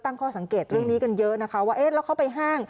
ตั้งข้อสังเกตเรื่องนี้กันเยอะนะคะ